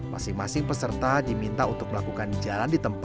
masing masing peserta diminta untuk melakukan jalan di tempat